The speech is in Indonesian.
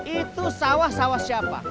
itu sawah sawah siapa